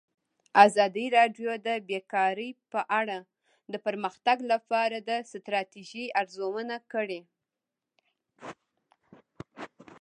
ازادي راډیو د بیکاري په اړه د پرمختګ لپاره د ستراتیژۍ ارزونه کړې.